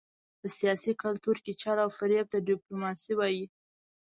په سیاسي کلتور کې چل او فرېب ته ډیپلوماسي وايي.